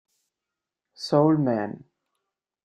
Soul Man